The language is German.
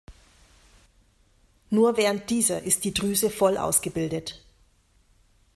Nur während dieser ist die Drüse voll ausgebildet.